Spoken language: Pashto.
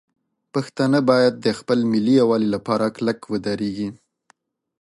پښتانه باید د خپل ملي یووالي لپاره کلک ودرېږي.